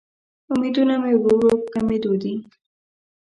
امیدونه مې ورو ورو په کمیدو دې